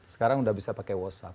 sekarang udah bisa pakai whatsapp